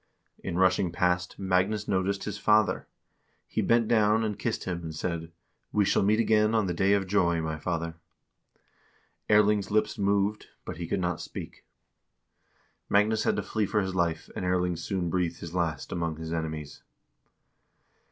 In rushing past, Magnus noticed his father; he bent down and kissed him and said :" We shall meet again on the day of joy, my father." Erling's lips moved, but he could not speak. Magnus had to flee for his life, and Erling soon breathed his last among his enemies.